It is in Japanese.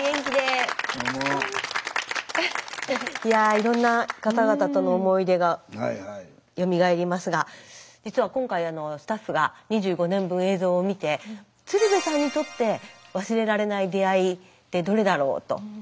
いやいろんな方々との思い出がよみがえりますが実は今回スタッフが２５年分映像を見て鶴瓶さんにとって忘れられない出会いってどれだろうと。